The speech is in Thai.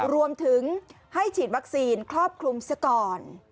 รวมถึงให้ฉีดวัคซีนครอบคลุมซะก่อน